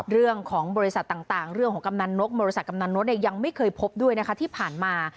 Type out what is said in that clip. เรื่องของบริษัทต่างเรื่องของกำนันนกบริษัทกำนันนกยังไม่เคยพบด้วยนะคะที่ผ่านมา